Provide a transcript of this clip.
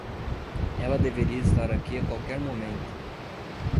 Ela deveria estar aqui a qualquer momento.